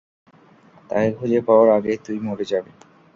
তাকে খুঁজে পাওয়ার আগেই তুই মরে যাবি।